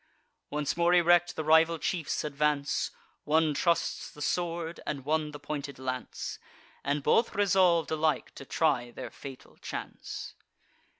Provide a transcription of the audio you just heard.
Once more erect, the rival chiefs advance: One trusts the sword, and one the pointed lance; And both resolv'd alike to try their fatal chance.